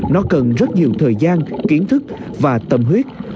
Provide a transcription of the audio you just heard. nó cần rất nhiều thời gian kiến thức và tâm huyết